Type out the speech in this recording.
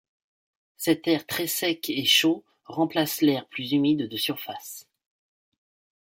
Cet air très sec et chaud remplace l'air plus humide de surface.